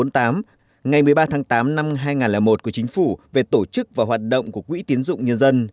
ngày một mươi ba tháng tám năm hai nghìn một của chính phủ về tổ chức và hoạt động của quỹ tiến dụng nhân dân